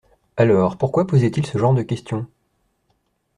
Alors, pourquoi posait-il ce genre de questions?